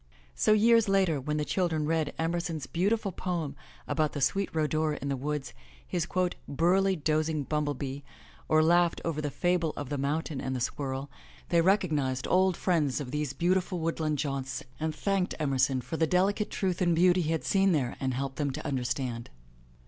So, years later, when the children read Emerson's beautiful poem about the sweet rhodora in the woods, his '*burly, dozing bumblebee," or laughed over the fable of the Mountain and the Squirrel, they recognized old friends of these beautiful woodland jaunts and thanked Emerson for the delicate truth and beauty he had seen there and helped them to understand.